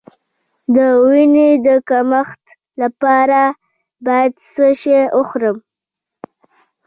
د وینې د کمښت لپاره باید څه شی وخورم؟